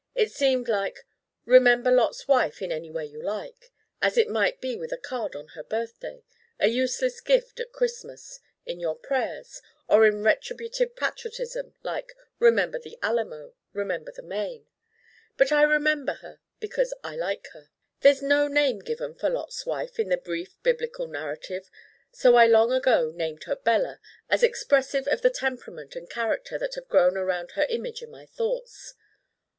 It seemed like Remember Lot's Wife in any way you like as it might be with a card on her birthday, a useless gift at Christmas, in your prayers, or in retributive patriotism like Remember the Alamo, Remember the Maine. But I remember her because I like her. There's no name given for Lot's Wife in the brief biblical narrative, so I long ago named her Bella as expressive of the temperament and character that have grown around her image in my thoughts.